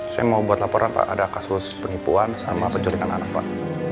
saya mau buat laporan pak ada kasus penipuan sama penculikan anak pak